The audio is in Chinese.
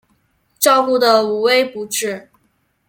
照顾得无微不至